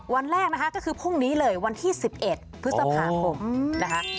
วันแรกนะคะก็คือพรุ่งนี้เลยวันที่๑๑พฤษภาคมนะคะ